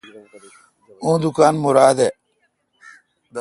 اوں دکان مراد اے°